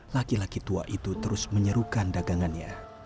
laki laki tua itu terus menyerukan dagangannya